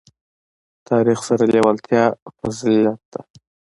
تاریخ سره لېوالتیا فضیلت ده.